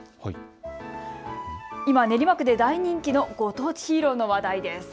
今、練馬区で大人気のご当地ヒーローの話題です。